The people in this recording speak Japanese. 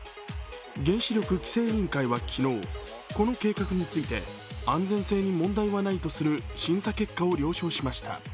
原子力規制委員会は昨日、この計画について安全性に問題はないとする審査結果を了承しました。